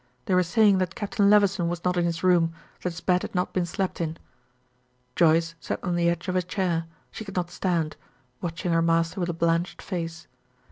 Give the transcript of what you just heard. They were saying that Captain Levison was not in his room; that his bed had not been slept in. Joyce sat on the edge of a chair she could not stand watching her master with a blanched face.